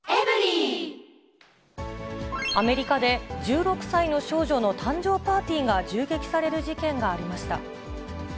アメリカで、１６歳の少女の誕生パーティーが銃撃される事件がありました。